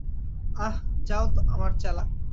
আহ, যাও আমার চ্যালা।